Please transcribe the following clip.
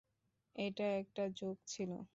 এটা একটা জোক ছিল!